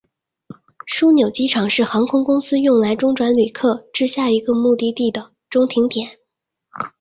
枢纽机场是航空公司用来中转旅客至下一个目的地的中停点。